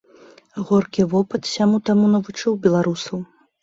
Горкі вопыт сяму-таму навучыў беларусаў.